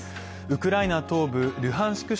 ウクライナ東部ルハンシク